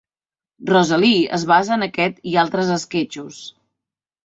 Rosalie es basa en aquest i altres esquetxos.